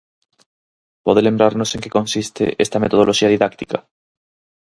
Pode lembrarnos en que consiste esta metodoloxía didáctica?